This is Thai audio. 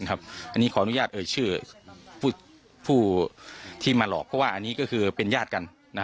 อันนี้ขออนุญาตเอ่ยชื่อผู้ที่มาหลอกเพราะว่าอันนี้ก็คือเป็นญาติกัน